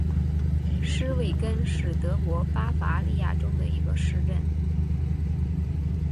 施魏根是德国巴伐利亚州的一个市镇。